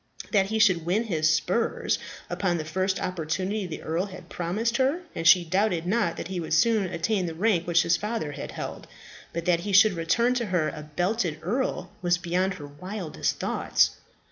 That he should win his spurs upon the first opportunity the earl had promised her, and she doubted not that he would soon attain the rank which his father had held. But that he should return to her a belted earl was beyond her wildest thoughts.